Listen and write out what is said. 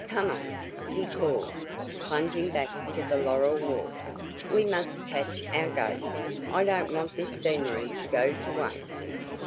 Come on," he called, plunging back to the laurel walk, "we must catch our ghost; I don't want this scenery to go to waste."